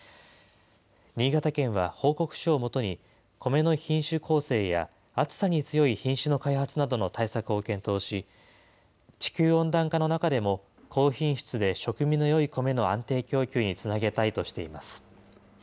新潟県は報告書を基に、コメの品種構成や暑さに強い品種の開発などの対策を検討し、地球温暖化の中でも、高品質で食味のよいコメの安定供給につなげたいとしています。